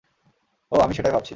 ওহ, আমি তো সেটাই ভাবছি।